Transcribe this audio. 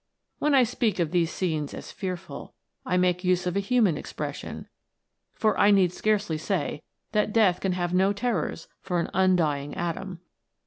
When I speak of these scenes as fearful, I make use of a human ex pression, for I need scarcely say that death can have no terrors for an undying atom.